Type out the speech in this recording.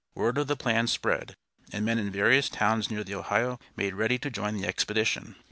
Word of the plans spread, and men in various towns near the Ohio made ready to join the expedition.